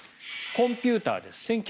コンピューターです。